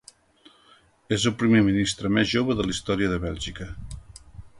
És el primer ministre més jove de la història de Bèlgica.